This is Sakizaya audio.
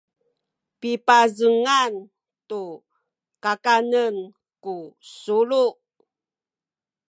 pipazengan tu kakanen ku sulu